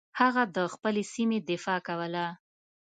هغه د خپلې سیمې دفاع کوله.